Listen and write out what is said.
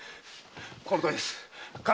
〔このとおりです。